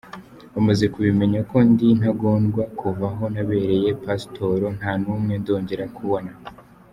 Bamaze kubimenya ko ndi intagondwa kuva aho nabereye Pasitoro nta n’umwe ndongera kubona.